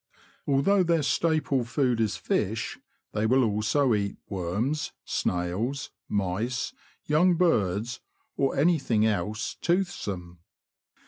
Although their staple food is fish, they will also eat w^orms, snails, mice, young birds, or anything else toothsome.